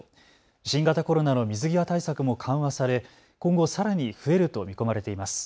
新型コロナの水際対策も緩和され今後、さらに増えると見込まれています。